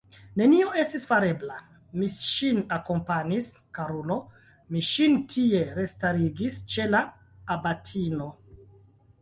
Nenio estis farebla, mi ŝin akompanis, karulo, mi ŝin tie restigis ĉe la abatino!